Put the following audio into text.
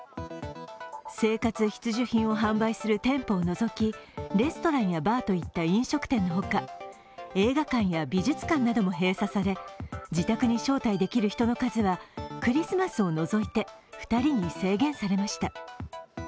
生活必需品を販売する店舗を除き、レストランやバーといった飲食店のほか映画館や美術館なども閉鎖され自宅に招待できる人の数はクリスマスを除いて２人に制限されました。